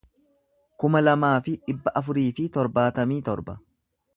kuma lamaa fi dhibba afurii fi torbaatamii torba